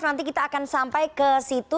nanti kita akan sampai ke situ